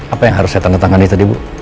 apa yang harus saya tanggung tangan ini tadi bu